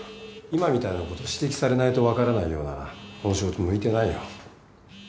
今みたいなこと指摘されないと分からないようならこの仕事向いてないよ。